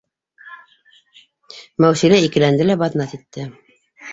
Мәүсилә икеләнде лә баҙнат итте: